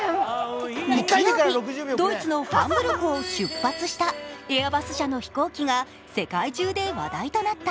日曜日、ドイツのハンブルクを出発したエアバス社の飛行機が世界中で話題になった。